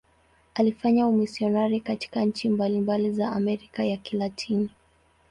Alifanya umisionari katika nchi mbalimbali za Amerika ya Kilatini.